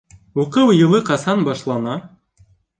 Уҡыу йылы ҡасан башлана?